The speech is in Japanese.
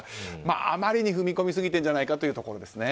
あまりに踏み込みすぎているんじゃないかというところですね。